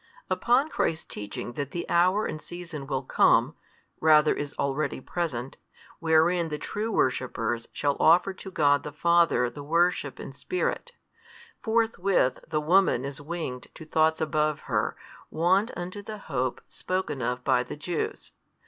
Upon Christ teaching that the hour and season will come, rather is already present, wherein the true worshippers shall offer to God the Father the worship in spirit; forthwith the woman is winged to thoughts above her wont unto the hope spoken of by the Jews.